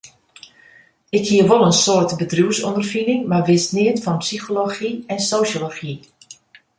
Ik hie wol in soad bedriuwsûnderfining, mar wist neat fan psychology en sosjology.